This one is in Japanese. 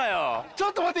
ちょっと待って。